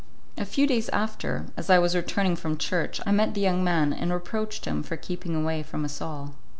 A few days after, as I was returning from church, I met the young man, and reproached him for keeping away from us all.